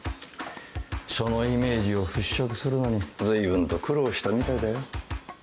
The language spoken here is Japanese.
そのイメージを払拭するのにずいぶんと苦労したみたいだよ。